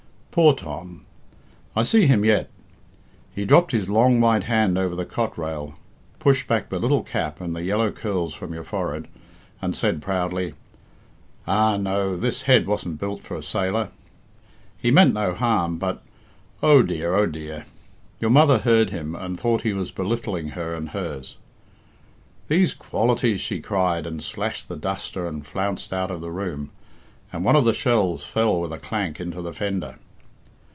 Poor Tom! I see him yet. He dropped his long white hand over the cot rail, pushed back the little cap and the yellow curls from your forehead, and said proudly, 'Ah, no, this head wasn't built for a sailor!' He meant no harm, but Oh, dear, Oh, dear! your mother heard him, and thought he was belittling her and hers. 'These qualities!' she cried, and slashed the duster and flounced out of the room, and one of the shells fell with a clank into the fender.